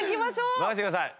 任せてください。